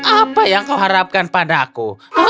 apa yang kau harapkan padaku